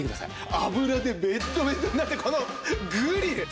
油でベトベトになったこのグリル。